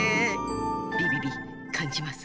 ビビビかんじます。